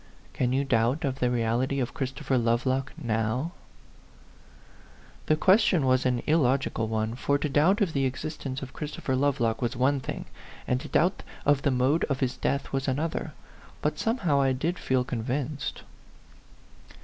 Can you doubt of the reality of Christopher Lovelock now ?" The question was an illogical one, for to doubt of the existence of Christopher Love lock was one thing, and to doubt of the mode of his death was another; but somehow I did feel convinced.